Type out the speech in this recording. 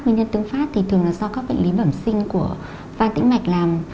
nguyên nhân thứ phát thì thường là do các bệnh lý bẩm sinh của văn tĩnh mạch